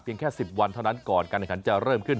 แค่๑๐วันเท่านั้นก่อนการแข่งขันจะเริ่มขึ้น